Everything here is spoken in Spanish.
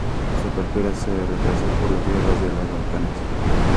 Su apertura se retrasó por las guerras de los Balcanes.